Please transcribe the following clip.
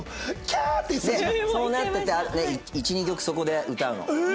そうなってて１２曲そこで歌うの。え！